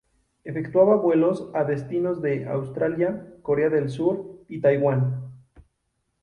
Efectuaba vuelos a destinos de Australia, Corea del Sur y Taiwán.